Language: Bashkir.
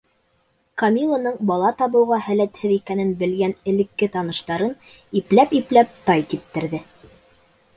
Камилланың бала табыуға һәләтһеҙ икәнен белгән элекке таныштарын ипләп-ипләп тай типтерҙе.